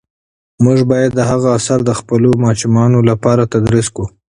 موږ باید د هغه آثار د خپلو ماشومانو لپاره تدریس کړو.